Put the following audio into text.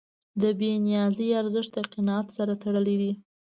د بېنیازۍ ارزښت د قناعت سره تړلی دی.